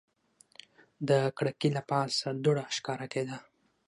د کړکۍ له پاسه دوړه ښکاره کېده.